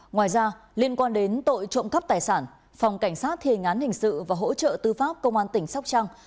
ngoài ra liên quan đến tội trộm cắp tài sản phòng cảnh sát thề ngán hình sự và hỗ trợ tư pháp công an tỉnh sóc trăng